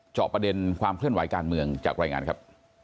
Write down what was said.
เจาะประเด็นความเคลื่อนไหวการเมืองจากรายงานครับ